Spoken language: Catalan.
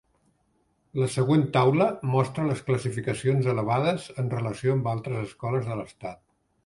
La següent taula mostra les classificacions elevades en relació amb altres escoles de l'estat